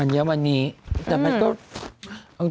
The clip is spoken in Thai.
อัญมณีแต่มันก็